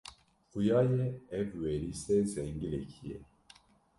Xuya ye, ev werîsê zengilekî ye.